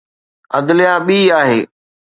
عدليه ٻي آهي.